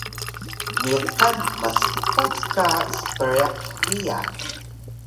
Niqan maspac ka spriq hiya